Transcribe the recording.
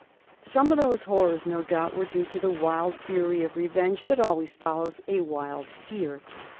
Some of those horrors no doubt were due to the wild fury of revenge that always follows a wild fear.